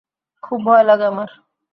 খুব ভয় লাগে আমার।